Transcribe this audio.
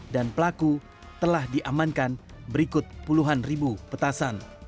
dan pelaku telah diamankan berikut puluhan ribu petasan